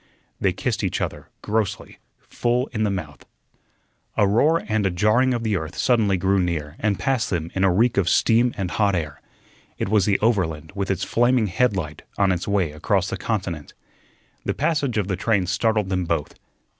They kissed each other, grossly, full in the mouth. A roar and a jarring of the earth suddenly grew near and passed them in a reek of steam and hot air. It was the Overland, with its flaming headlight, on its way across the continent. The passage of the train startled them both.